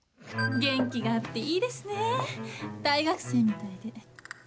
元気があっていいですね大学生みたいで。